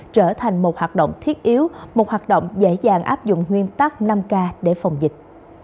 trở thành một hoạt động thiết yếu một hoạt động dễ dàng áp dụng nguyên tắc năm k để phòng dịch